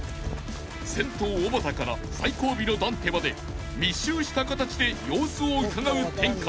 ［先頭おばたから最後尾のダンテまで密集した形で様子をうかがう展開に］